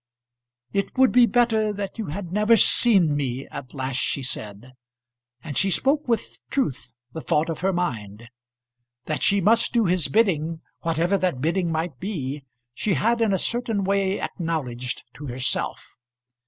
"It would be better that you had never seen me," at last she said; and she spoke with truth the thought of her mind. That she must do his bidding, whatever that bidding might be, she had in a certain way acknowledged to herself.